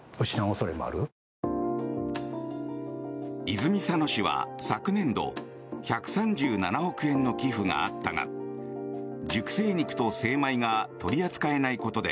泉佐野市は昨年度１３７億円の寄付があったが熟成肉と精米が取り扱えないことで